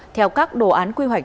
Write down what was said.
theo các đồ án quy hoạch